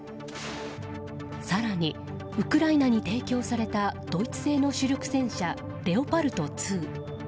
更に、ウクライナに提供されたドイツ製の主力戦車レオパルト２。